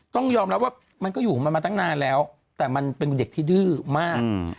ต้องยอมรับว่ามันก็อยู่กับมันมาตั้งนานแล้วแต่มันเป็นเด็กที่ดื้อมาก